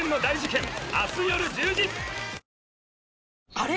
あれ？